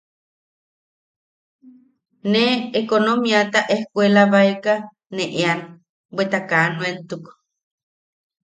Ne ekonomiata ejkuelabaeka ne ean, bweta kaa nuentuk.